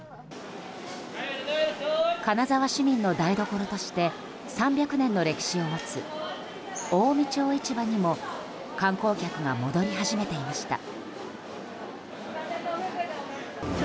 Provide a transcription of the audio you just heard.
金沢市民の台所として３００年の歴史を持つ近江町市場にも観光客が戻り始めていました。